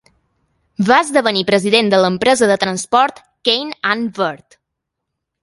Va esdevenir president de l'empresa de transport Kaine and Bird.